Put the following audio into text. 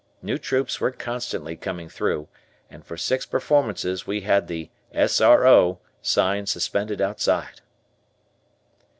New troops were constantly coming through, and for six performances we had the "S. R. O." sign suspended outside.